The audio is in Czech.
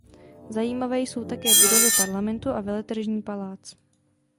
Zajímavé jsou také budovy parlamentu a Veletržní palác.